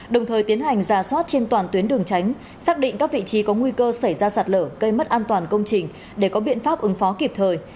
đồng thời tiến hành giả soát trên toàn tuyến đường tránh xác định các vị trí có nguy cơ xảy ra sạt lở gây mất an toàn công trình để có biện pháp ứng phó kịp thời